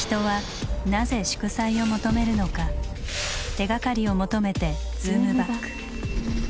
手がかりを求めてズームバック。